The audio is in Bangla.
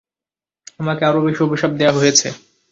আমাকে আরও বেশি অভিশাপ দেয়া হয়েছে।